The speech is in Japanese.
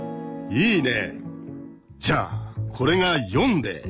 いいね。